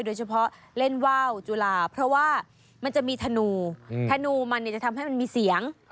โดยเฉพาะเล่นว่าวจุลาเพราะว่ามันจะมีธนูธนูมันจะทำให้มันมีเสียง